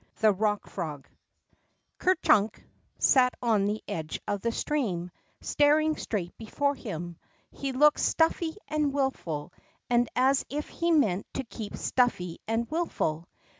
THE ROCK FROG ER CIIUE'K sat on the edge of the stream, staring straight before him. He looked stuffy and wilful, and as if he meant to keep stuffy and wilful.